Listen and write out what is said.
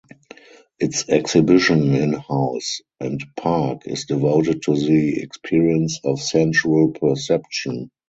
Its exhibition in house and park is devoted to the experience of sensual perception.